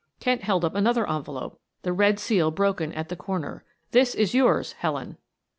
Kent held up another envelope, the red seal broken at the corner. "This is yours, Helen."